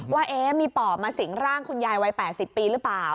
ว่ามีปอบมาสิงร่างคุณยายวัย๘๐ปีหรือเปล่า